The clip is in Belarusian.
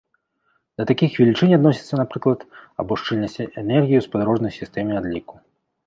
Да такіх велічынь адносяцца, напрыклад, або шчыльнасць энергіі ў спадарожнай сістэме адліку.